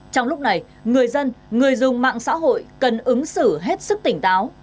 trong lúc này người dân người dùng mạng xã hội cần ứng xử hết sức tỉnh táo